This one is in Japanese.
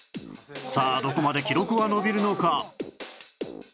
さあどこまで記録は伸びるのか？